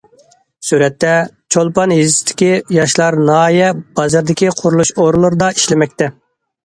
سۈرەتتە: چولپان يېزىسىدىكى ياشلار ناھىيە بازىرىدىكى قۇرۇلۇش ئورۇنلىرىدا ئىشلىمەكتە.